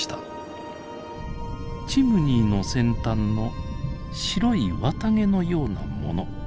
チムニーの先端の白い綿毛のようなもの。